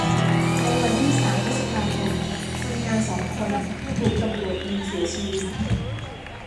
ในวันที่สามพฤษภาคม คนงานสองคนถูกตำรวจยิงเสียชีวิต